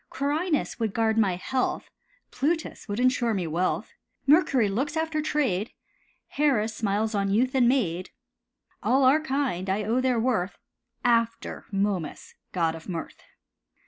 Quirinus would guard my health, Plutus would insure me wealth; Mercury looks after trade, Hera smiles on youth and maid. All are kind, I own their worth, After Momus, god of mirth.